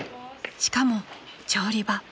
［しかも調理場。